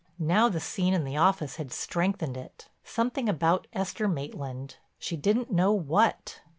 Now the scene in the office had strengthened it—something about Esther Maitland, she didn't know what.